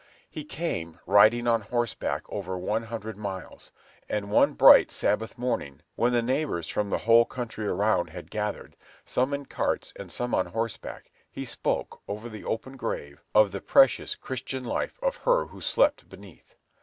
He came, riding on horseback over one hundred miles; and one bright Sabbath morning, when the neighbors from the whole country around had gathered, some in carts and some on horseback, he spoke, over the open grave, of the precious, Christian life of her who slept beneath.